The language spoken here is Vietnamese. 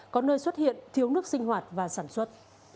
có nơi xuất hiện thiếu nước sinh hoạt và sản xuất